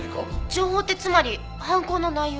情報ってつまり犯行の内容？